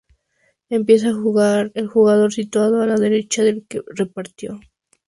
Empieza a jugar el jugador situado a la derecha del que repartió.